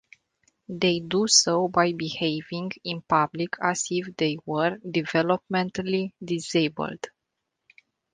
They do so by behaving in public as if they were developmentally disabled.